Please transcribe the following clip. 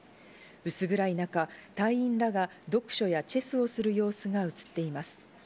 薄暗いなか、隊員らが読書やチェスをする様子が映っています。